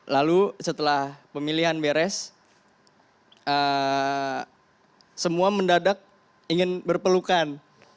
lalu setelah pemilihan beres semua mendadak ingin berpelukan